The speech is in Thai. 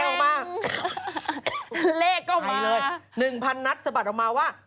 เลขเข้ามาเลยคือ๑๐๐๐นัตรสบัตรออกมาว่า